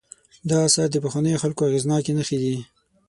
دا آثار د پخوانیو خلکو اغېزناکې نښې دي.